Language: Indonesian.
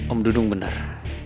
om dudung benar